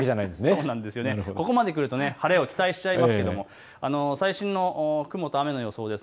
ここまで来ると晴れを期待してしまいますが最新の雲と雨の予想です。